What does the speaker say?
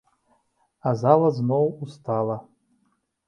А зала зноў устала.